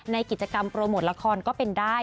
ในกิจกรรมโปรโมทละครก็เป็นได้